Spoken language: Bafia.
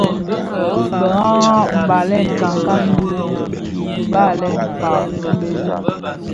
Bë habra mbalèn nkankan bi bibèl (Mkpa - Bhèl),